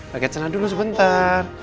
pakai celana dulu sebentar